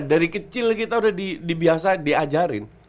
dari kecil kita udah dibiasa diajarin